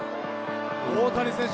大谷選手